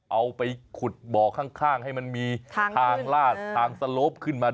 เอาไปขุดบ่อข้างให้มีผ่านลาดผ่านสลบขึ้นมา